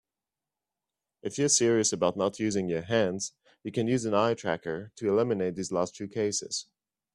If you're serious about not using your hands, you can use an eye tracker to eliminate these last few cases.